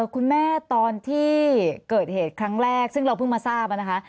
คุณแม่ตอนที่เกิดเหตุครั้งแรกซึ่งเราเพิ่งมาทราบนะคะ